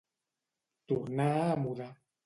Tornar a mudar.